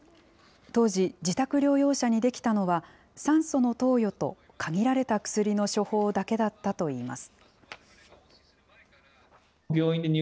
当時、自宅療養者にできたのは、酸素の投与と限られた薬の処方だけだったといいます。